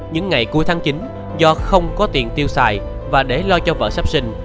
những ngày cuối tháng chín do không có tiền tiêu xài và để lo cho vợ sắp sinh